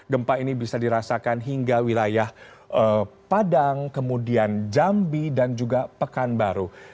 gempa ini bisa dirasakan hingga wilayah padang kemudian jambi dan juga pekanbaru